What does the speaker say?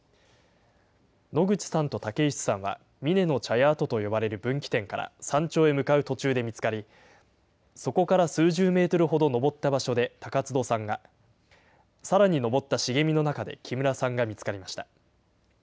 野口さんと竹石さんは峰の茶屋跡と呼ばれる分岐点から山頂へ向かう途中で見つかり、そこから数十メートルほど登った場所で高津戸さんが、さらに登った茂みの中で木村さんが見つかりました。